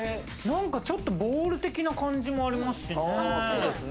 ちょっとボウル的な感じもありますし。